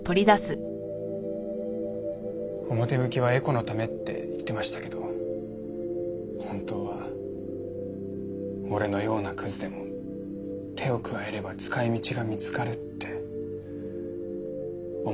表向きはエコのためって言ってましたけど本当は俺のようなクズでも手を加えれば使い道が見つかるって思いを込めたんです。